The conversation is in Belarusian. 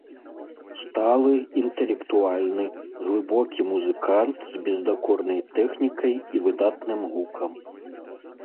Сталы, інтэлектуальны, глыбокі музыкант з бездакорнай тэхнікай і выдатным гукам.